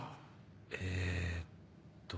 えっと。